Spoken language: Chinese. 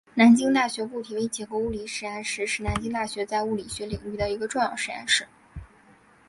南京大学固体微结构物理实验室是南京大学在物理学领域的一个重要实验室。